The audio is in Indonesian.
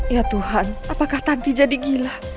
ya tuhan apakah tanti jadi gila